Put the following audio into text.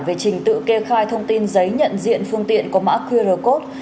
về trình tự kê khai thông tin giấy nhận diện phương tiện có mã qr code